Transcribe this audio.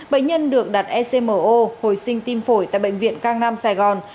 bệnh nhân được đặt ecmo hồi sinh tim phổi tại bệnh viện cang nam sài gòn